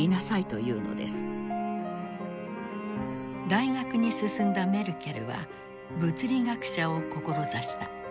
大学に進んだメルケルは物理学者を志した。